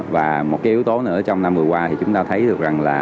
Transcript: và một cái yếu tố nữa trong năm vừa qua thì chúng ta thấy được rằng là